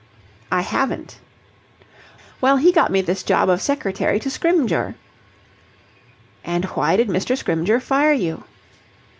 "I haven't." "Well, he got me this job of secretary to Scrymgeour." "And why did Mr. Scrymgeour fire you?"